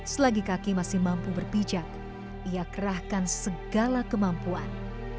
selagi kaki masih mampu berpijak ia kerahkan segala kemampuan